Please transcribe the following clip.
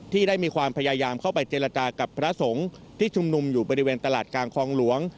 ได้มีความพยายามเข้าไปเจรจากับพระสงฆ์ที่ชุมนุมอยู่บริเวณตลาดกลางคลองหลวง